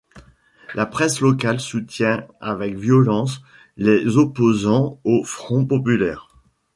La presse locale soutient avec violence les opposants au Front populaire.